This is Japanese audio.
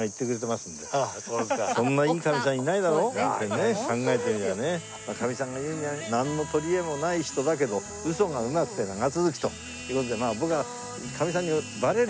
まあカミさんが言うにはなんの取りえもない人だけど嘘がうまくて長続きという事でまあ僕はカミさんにばれる嘘をよくつくわけであります。